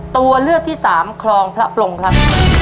ตัวเลือกที่สามคลองพระปรงครับ